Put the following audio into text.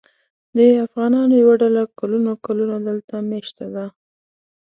د افغانانو یوه ډله کلونه کلونه دلته مېشته ده.